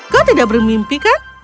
kau tidak bermimpi kan